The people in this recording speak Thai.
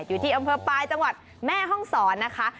อยู่ที่อำเภอปลายจังหวัดแม่ห้องศรนะคะ